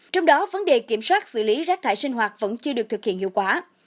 trong đó vấn đề kiểm soát xử lý rác thải sinh hoạt vẫn chưa được thực hiện hiệu quả